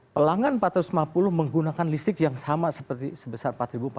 pelanggan empat ratus lima puluh menggunakan listrik yang sama seperti sebesar empat empat ratus